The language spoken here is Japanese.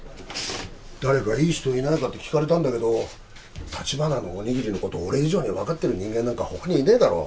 誰かいい人いないかって聞かれたんだけどたちばなのおにぎりのこと俺以上に分かってる人間なんか他にいねえだろ